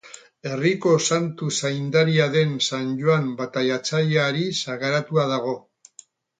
Herriko santu zaindaria den San Joan Bataiatzaileari sagaratua dago.